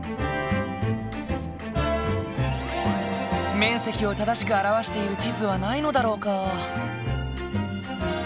面積を正しく表している地図はないのだろうか？